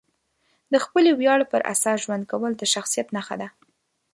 د خپلې ویاړ پر اساس ژوند کول د شخصیت نښه ده.